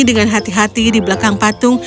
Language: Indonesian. dengan hati hati di belakang patung